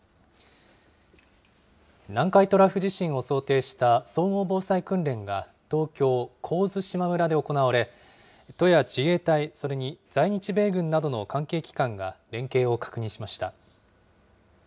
南海トラフ地震を想定した総合防災訓練が、東京・神津島村で行われ、都や自衛隊、それに在日米軍などの関係機関が連携を確認しました。